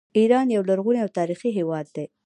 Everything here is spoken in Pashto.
ایران یو لرغونی او تاریخي هیواد دی.